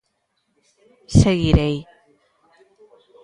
Seguirei.